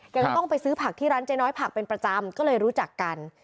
ก็ต้องไปซื้อผักที่ร้านเจ๊น้อยผักเป็นประจำก็เลยรู้จักกัน